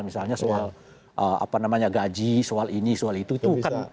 misalnya soal gaji soal ini soal itu